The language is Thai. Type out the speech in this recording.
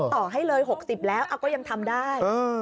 ต่อให้เลย๖๐แล้วก็ยังทำได้